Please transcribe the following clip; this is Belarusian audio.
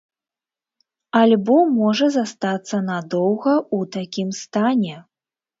Альбо можа застацца надоўга ў такім стане?